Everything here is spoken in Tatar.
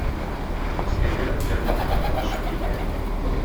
Искәндәр этләрне ашатырга чыгып китә.